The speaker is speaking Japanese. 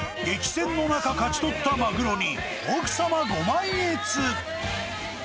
激戦の中、勝ち取ったマグロに、奥様ご満悦。